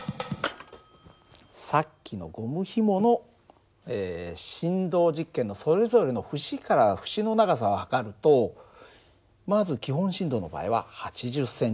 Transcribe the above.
さっきのゴムひもの振動実験のそれぞれの節から節の長さを測るとまず基本振動の場合は８０ｃｍ。